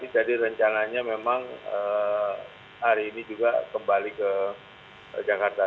jadi rencananya memang hari ini juga kembali ke jakarta